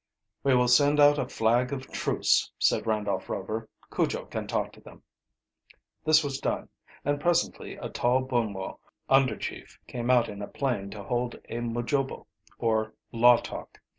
"We will send out a flag of truce," said Randolph Rover. "Cujo can talk to them." This was done, and presently a tall Bumwo under chief came out in a plain to hold a mujobo, or "law talk."